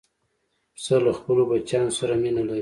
پسه له خپلو بچیانو سره مینه لري.